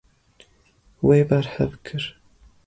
Wê berhev kir.